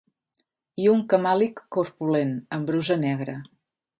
I un camàlic corpulent, amb brusa negra